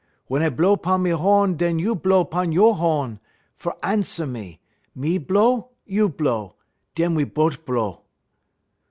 Wun I blow 'pon me ho'n dun you blow 'pon you' ho'n fer answer me; me blow, you blow, dun we bote blow.'